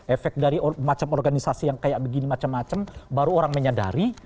efek dari macam organisasi yang kayak begini macam macam baru orang menyadari